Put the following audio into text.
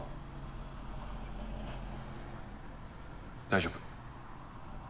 大丈夫。